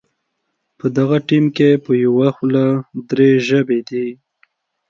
په دغه ټیم کې په یوه خوله درې ژبې دي.